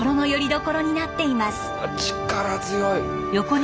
力強い！